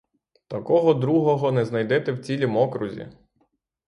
Такого другого не знайдете в цілім окрузі.